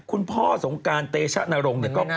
คุณพ่อเขาด้วย